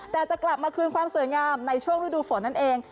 แต่จะกลับมาคืนความสวยงามในช่วงฤดูฝนนั่นเอง